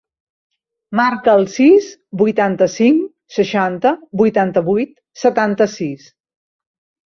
Marca el sis, vuitanta-cinc, seixanta, vuitanta-vuit, setanta-sis.